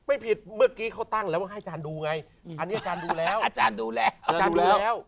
ไม่ผิดเมื่อกี้เขาตั้งแล้วว่าให้อาจารย์ดูไงอันนี้อาจารย์ดูแล้วอาจารย์ดูแลอาจารย์ดูแล้ว